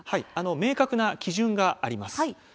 明確な基準があります。